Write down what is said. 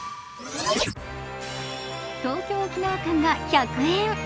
東京−沖縄間が１００円。